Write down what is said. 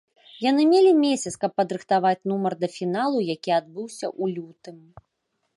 Яны мелі месяц, каб падрыхтаваць нумар да фіналу, які адбыўся ў лютым.